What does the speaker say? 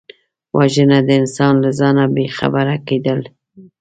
وژنه د انسان له ځانه بېخبره کېدل دي